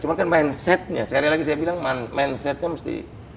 cuma kan mindset nya sekali lagi saya bilang mindset nya mesti